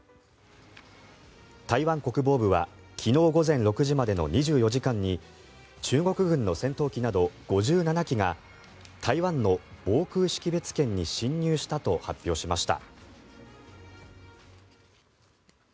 台湾国防部は昨日午前６時までの２４時間に中国軍の戦闘機など５７機が台湾の防空識別圏に侵入したと発表しました。